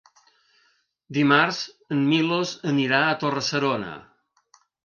Dimarts en Milos anirà a Torre-serona.